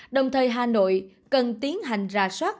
đồng thời hà nội cần tiến hành ra soát